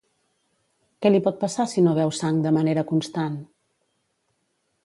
Què li pot passar si no beu sang de manera constant?